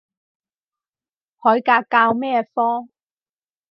海格教咩科？